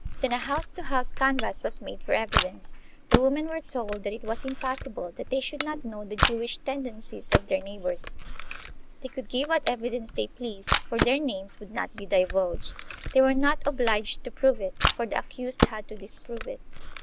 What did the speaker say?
Then a house to house canvass was made for evidence; the women were told that it was impossible that they should not know the Jewish tendencies of their neighbors; they could give what evidence they pleased for their names would not be divulged; they were not obliged to prove it, for the accused had to disprove it.